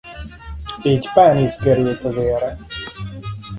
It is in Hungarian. Így Panis került az élre.